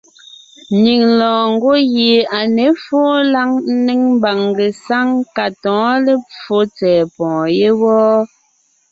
Nyìŋ lɔɔn ngwɔ́ gie à ně fóo lǎŋ ńnéŋ mbàŋ ngesáŋ ka tɔ̌ɔn lepfo tsɛ̀ɛ pɔ̀ɔn yé wɔ́.